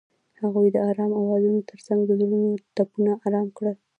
هغې د آرام اوازونو ترڅنګ د زړونو ټپونه آرام کړل.